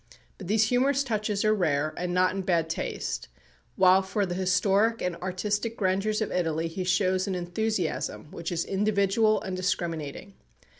But these humorous touches are rare, and not in bad taste; while for the historic and artistic grandeurs of Italy he shows an enthusiasm which is individual and discriminating.